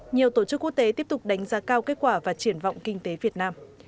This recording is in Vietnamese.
nhiều tổ chức quốc tế tiếp tục đánh giá cao kết quả và triển vọng kinh tế việt nam